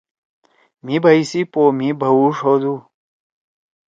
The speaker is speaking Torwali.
مھی بھئی سی پو مھی بھوُݜ ہودُو۔